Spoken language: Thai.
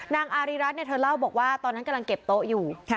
อารีรัฐเธอเล่าบอกว่าตอนนั้นกำลังเก็บโต๊ะอยู่